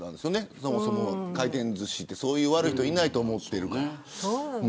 そもそも回転ずしってそういう悪い人がいないと思っているから。